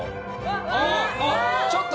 あっ！